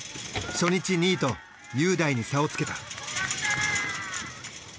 初日２位と雄大に差をつけた。